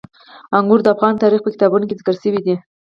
انګور د افغان تاریخ په کتابونو کې ذکر شوي دي.